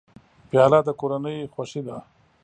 پیاله د کورنۍ خوښي ده.